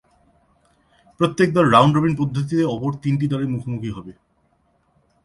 প্রত্যেক দল রাউন্ড-রবিন পদ্ধতিতে অপর তিনটি দলের মুখোমুখি হবে।